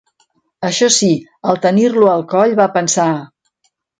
Això sí, al tenir-lo a coll va pensar: